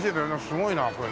すごいなこれ。